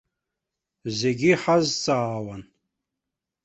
Зегьы иҳазҵаауан.